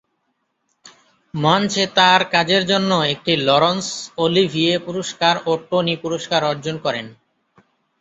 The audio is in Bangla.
মঞ্চে তার কাজের জন্য একটি লরন্স অলিভিয়ে পুরস্কার ও টনি পুরস্কার অর্জন করেন।